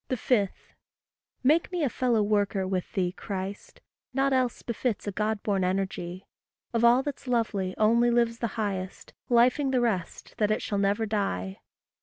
5. Make me a fellow worker with thee, Christ; Nought else befits a God born energy; Of all that's lovely, only lives the highest, Lifing the rest that it shall never die.